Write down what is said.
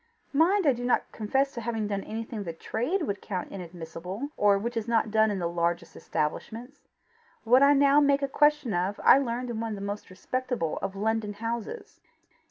Mind I do not confess to having done anything the trade would count inadmissible, or which is not done in the largest establishments. What I now make a question of I learned in one of the most respectable of London houses."